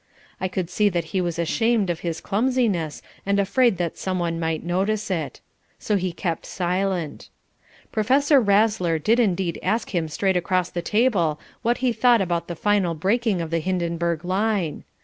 I could see that he was ashamed of its clumsiness and afraid that someone might notice it. So he kept silent. Professor Razzler did indeed ask him straight across the table what he thought about the final breaking of the Hindenburg line.